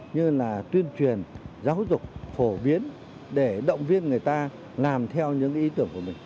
như là tuyên truyền giáo dục phổ biến để động viên người ta làm theo những ý tưởng của mình